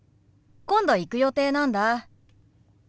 今度行く予定なんだ。